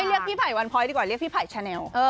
ไม่เรียกพี่ภัยวันพ้อยดีกว่าเรียกพี่ภัยชาแนล